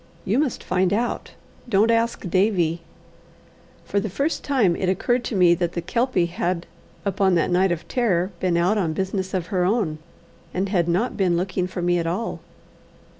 "You must find out. Don't ask Davie." For the first time it occurred to me that the Kelpie had upon that night of terror been out on business of her own, and had not been looking for me at all.